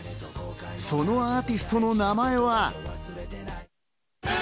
そのアーティストの名前は？